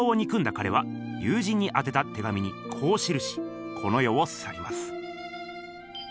かれは友人にあてた手紙にこう記しこの世をさります。